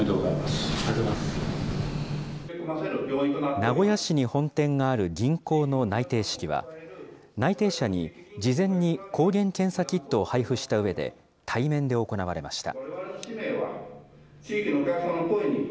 名古屋市に本店がある銀行の内定式は、内定者に事前に抗原検査キットを配布したうえで、対面で行われました。